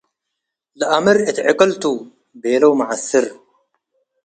. ‘’ለአምር እት ዕቅልቱ’’ ቤለው መዐስር፣